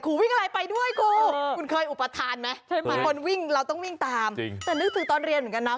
กูเป็นห่วงอย่างหนึ่งครู